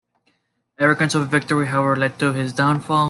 Arrogance over victory, however, led to his downfall.